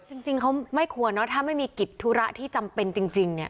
จริงเขาไม่ควรเนอะถ้าไม่มีกิจธุระที่จำเป็นจริงเนี่ย